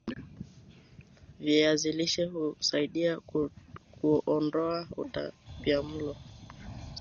viazi lishe husaidia kuondoa utapiamlo